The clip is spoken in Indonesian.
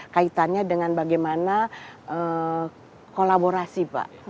kaitannya dengan bagaimana kolaborasi pak